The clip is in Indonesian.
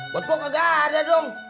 buat gue kagak ada dong